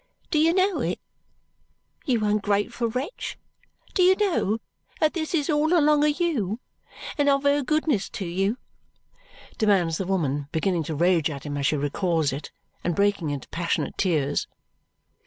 Do you know it? You ungrateful wretch, do you know that this is all along of you and of her goodness to you?" demands the woman, beginning to rage at him as she recalls it and breaking into passionate tears.